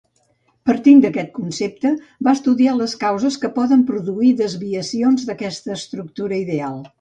Partint d'aquest concepte va estudiar les causes que poden produir desviacions d'aquesta estructura ideal.